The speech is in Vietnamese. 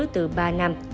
từ ba năm